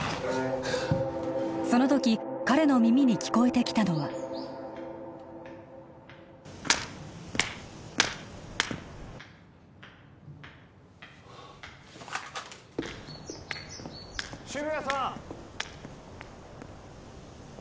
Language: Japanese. その時彼の耳に聞こえてきたのは渋谷さん！